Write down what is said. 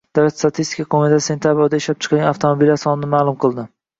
Davlat statistika qo‘mitasi sentabr oyida ishlab chiqarilgan avtomobillar sonini ma’lum qildi